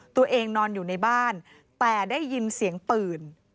นอนอยู่ในบ้านแต่ได้ยินเสียงปืน